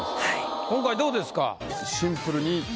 今回どうですか？